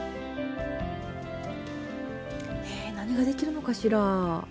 え何ができるのかしら？